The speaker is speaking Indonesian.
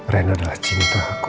rena adalah cinta aku